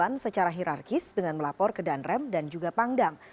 dilakukan secara hirarkis dengan melapor ke danrem dan juga pangdam